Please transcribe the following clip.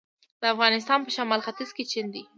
د افغانستان په شمال ختیځ کې چین دی